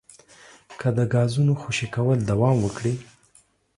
که د ګازونو خوشې کول دوام وکړي